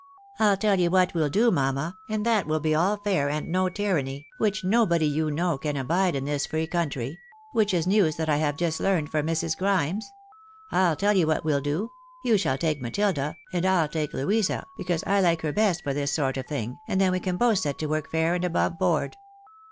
" I'll tell you what we'll do, mamma, and that will be all fair and no tyranny, which nobody you know can abide in this free country — which is news that I have just learned from Mrs. Grimes — I'll tell you what we'U do ; you shall take Matilda, and I'U take Louisa, because I like her best for this sort of thing, and then we can both set to work fair and above board."